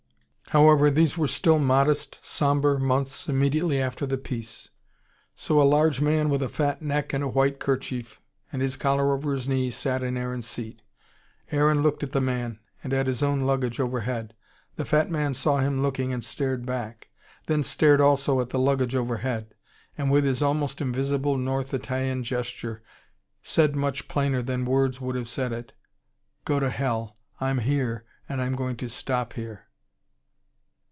However, these were still modest, sombre months immediately after the peace. So a large man with a fat neck and a white kerchief, and his collar over his knee, sat in Aaron's seat. Aaron looked at the man, and at his own luggage overhead. The fat man saw him looking and stared back: then stared also at the luggage overhead: and with his almost invisible north Italian gesture said much plainer than words would have said it: "Go to hell. I'm here and I'm going to stop here."